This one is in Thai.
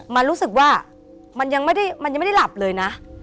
มันรู้สึกว่ามันยังไม่ได้หลับเลยนะ